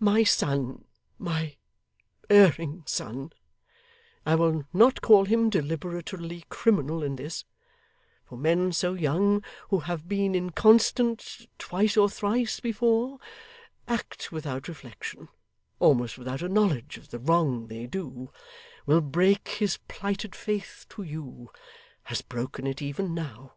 My son, my erring son, I will not call him deliberately criminal in this, for men so young, who have been inconstant twice or thrice before, act without reflection, almost without a knowledge of the wrong they do, will break his plighted faith to you; has broken it even now.